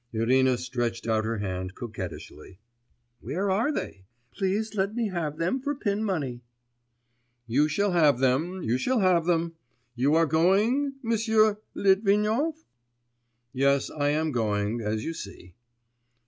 Irina stretched out her hand coquettishly. 'Where are they? Please let me have them for pin money.' 'You shall have them, you shall have them.... You are going, M'sieu Litvinov?' 'Yes, I am going, as you see.